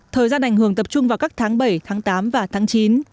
thời gian ảnh hưởng tập trung vào các tháng bảy tháng tám và tháng chín